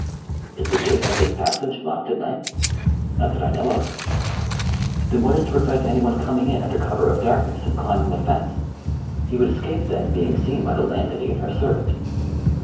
"Is the gate of this passage locked at night?" "Not that I know of." "Then what is to prevent any one coming in under cover of darkness and climbing the fence? He would escape then being seen by the landlady and her servant."